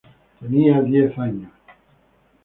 Tenía diez años.